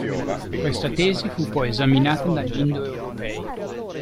Questa tesi fu poi esaminata dagli indo-europei.